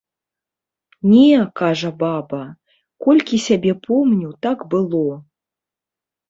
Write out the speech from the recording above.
Не, кажа баба, колькі сябе помню, так было.